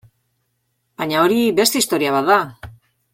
Baina hori beste historia bat da.